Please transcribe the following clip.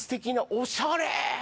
おしゃれ！